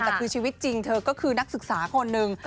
แต่คือชีวิตจริงเธอก็คือนักศึกษาคนหนึ่ง